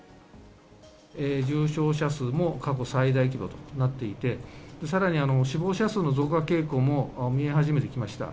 重症者数も過去最大規模となっていて、さらに死亡者数の増加傾向も見え始めてきました。